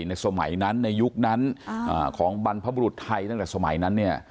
ในสมัยนั้นในยุคนั้นของบรรพบรุษไทยตั้งแต่สมัยนั้นเนี่ย